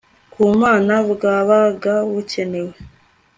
ku Mana Bwabaga Bukenewe